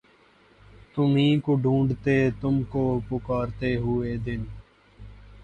تمہی کو ڈھونڈتے تم کو پکارتے ہوئے دن